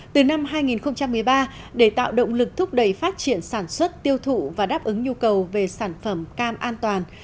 từ năm hai nghìn một mươi ba để tạo động lực thúc đẩy phát triển sản xuất tiêu thụ và đáp ứng nhu cầu về sản phẩm cam an toàn